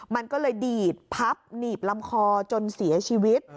มันก็เลยดีดพับหนีบลำคอจนเสียชีวิต